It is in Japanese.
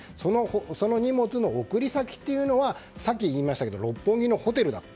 その荷物の送り先というのはさっき言いましたけど六本木のホテルだった。